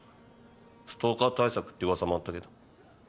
ストーカー対策って噂もあったけど。